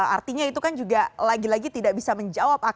artinya itu kan juga lagi lagi tidak bisa menjawab